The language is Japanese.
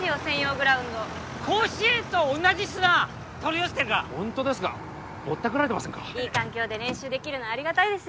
グラウンド甲子園と同じ砂取り寄せてるからホントですかぼったくられてませんかいい環境で練習できるのありがたいですよね